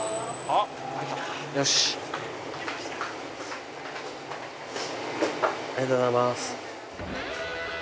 ありがとうございます。